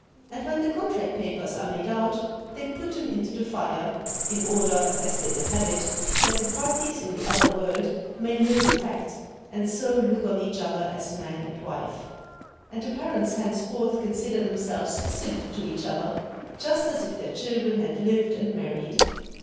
And when the contract papers are made out, they put them into the fire, in order (as they will have it) that the parties in the other world may know the fact, and so look on each other as man and wife. And the parents thenceforth consider themselves sib to each other, just as if their children had lived and married.